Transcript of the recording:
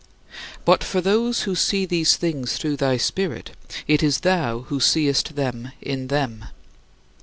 But for those who see these things through thy Spirit, it is thou who seest them in them.